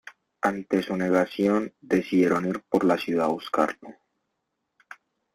Ante su negación, decidieron ir por la ciudad a buscarlo.